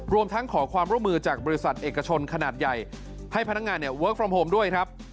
รวมทั้งขอความร่วมมือจากบริษัทเอกชนขนาดใหญ่ให้พนักงานเนี่ยเวิร์คฟอร์มโฮมด้วยครับ